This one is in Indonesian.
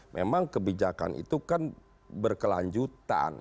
memang kebijakan itu kan berkelanjutan